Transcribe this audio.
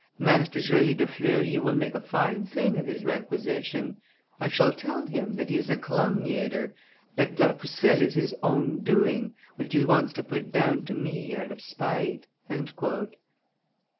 Master Joly de Fleury will make a fine thing of his requisition; I shall tell him that he is a calumniator, that La Pucelle is his own doing, which he wants to put down to me out of spite."